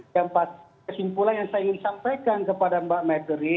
yang kesimpulan yang saya ingin sampaikan kepada mbak mabry